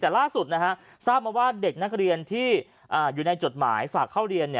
แต่ล่าสุดทราบมาว่าเด็กนักเรียนที่อยู่ในจดหมายฝากเข้าเรียน